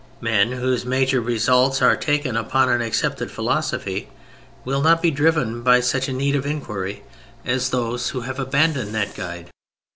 Men whose major results are taken upon an accepted philosophy, will not be driven by such a need of inquiry as those who have abandoned that guide.